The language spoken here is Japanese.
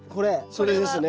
それですね。